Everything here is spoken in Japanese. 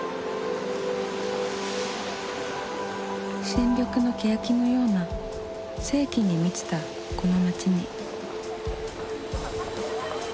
新緑のケヤキのような生気に満ちたこの街に。